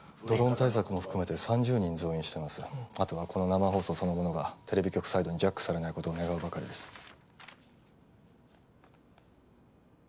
ドローン対策も含めて３０人増員してますがあとはこの生放送そのものがテレビ局サイドでジャックされない事を願うばかりです。